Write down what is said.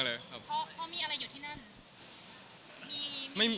เพราะมีอะไรอยู่ที่นั่น